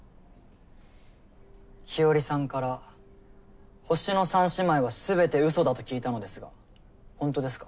日和さんから「星の三姉妹」はすべてうそだと聞いたのですがほんとですか？